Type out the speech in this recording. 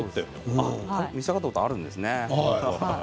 召し上がったことがあるんですね？